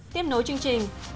tiếp nối chương trình